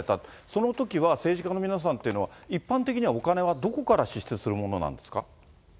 そのときは、政治家の皆さんというのは、一般的にはお金はどこから支出するものなんですか。